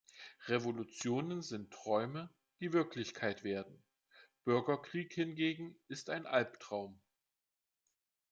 Revolutionen sind Träume, die Wirklichkeit werden, Bürgerkrieg hingegen ist ein Albtraum.